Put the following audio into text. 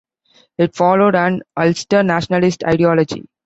It followed an Ulster nationalist ideology.